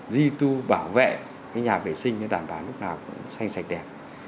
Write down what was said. di tu bảo vệ cái nhà vệ sinh để đảm bảo lúc nào cũng xanh sạch đẹp